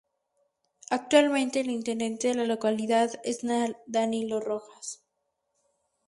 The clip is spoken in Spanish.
Actualmente el intendente de la localidad es Danilo Rojas.